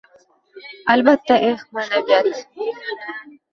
Albatta! Eh, ma’naviyat...